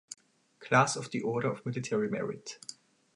Class of the Order of Military Merit.